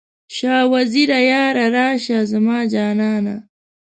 شاه وزیره یاره، راشه زما جانه؟